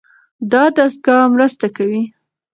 دا دستګاه مرسته کوي.